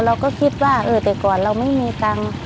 เราก็คิดว่าเออแต่ก่อนเราไม่มีตังค์